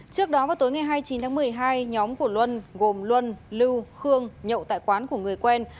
trước đó vào tối ngày hai mươi chín tháng một mươi hai nhóm của luân gồm luân lưu khương nhậu tại quán của người quen